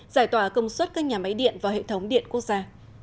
giải tỏa công suất các nhà máy điện và hệ thống điện quốc gia